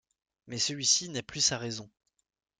mais celui-ci n’a plus sa raison.